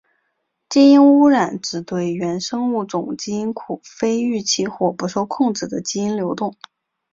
基因污染指对原生物种基因库非预期或不受控制的基因流动。